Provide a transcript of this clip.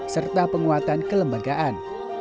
serta penguatan kelembagaan